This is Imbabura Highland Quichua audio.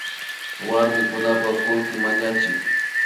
Warmikunapak kullki mañachik